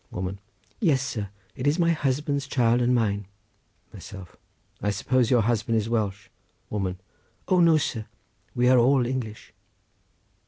Woman.—Yes, sir, it is my husband's child and mine. Myself.—I suppose your husband is Welsh? Woman.—O no, sir, we are all English.